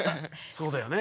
そうだよね。